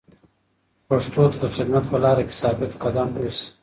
پښتو ته د خدمت په لاره کې ثابت قدم اوسئ.